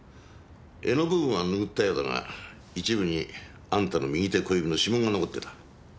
柄の部分はぬぐったようだが一部にあんたの右手小指の指紋が残ってた。